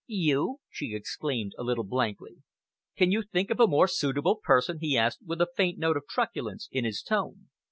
"You?" she exclaimed, a little blankly. "Can you think of a more suitable person?" he asked, with a faint note of truculence in his tone.